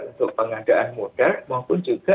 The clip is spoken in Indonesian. untuk pengadaan modal maupun juga